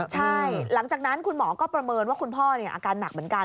ใช่หลังจากนั้นคุณหมอก็ประเมินว่าคุณพ่ออาการหนักเหมือนกัน